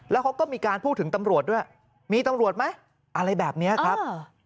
แล้วเขาก็มีการพูดถึงตำรวจด้วยมีตำรวจไหมอะไรแบบนี้ครับ